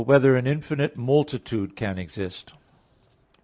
4] Whether an Infinite Multitude Can Exist?